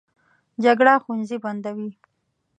جګړه ښوونځي بندوي